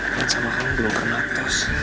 kundan sama kamu dulu kan atas